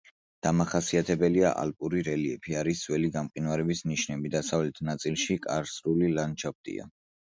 დამახასიათებელია ალპური რელიეფი, არის ძველი გამყინვარების ნიშნები, დასავლეთ ნაწილში კარსტული ლანდშაფტია.